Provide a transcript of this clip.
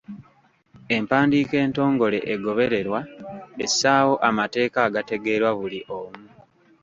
Empandiika entongole egobererwa essaawo amateeka agategeerwa buli omu.